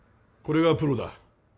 これがプロだ。